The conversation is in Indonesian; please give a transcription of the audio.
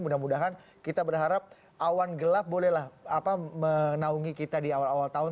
mudah mudahan kita berharap awan gelap bolehlah menaungi kita di awal awal tahun